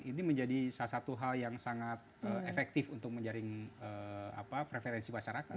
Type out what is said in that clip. ini menjadi salah satu hal yang sangat efektif untuk menjaring preferensi masyarakat